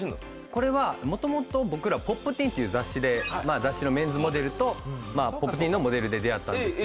これはもともと僕ら『Ｐｏｐｔｅｅｎ』っていう雑誌で雑誌のメンズモデルと『Ｐｏｐｔｅｅｎ』のモデルで出会ったんですけど。